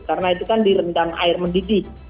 karena itu kan di rendang air mendidih